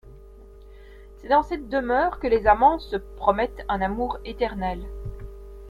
C’est dans cette demeure que les amants se promettent un amour éternel.